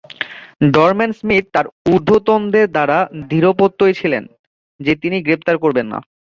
Dorman-Smith তার ঊর্ধ্বতনদের দ্বারা দৃঢ়প্রত্যয়ী ছিলেন যে তিনি গ্রেফতার করবেন না।